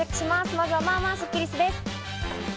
まずは、まあまあスッキりすです。